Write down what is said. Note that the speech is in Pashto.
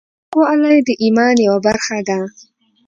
پاکوالی د ایمان یوه برخه ده۔